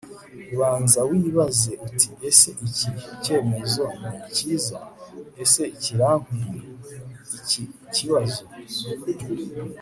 ubanza wibaze uti ese iki kemezo ni kiza ? ese kirankwiye? iki kibazo